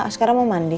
sekarang mau mandi